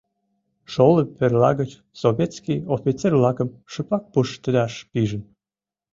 Шолып верла гыч советский офицер-влакым шыпак пуштедаш пижын.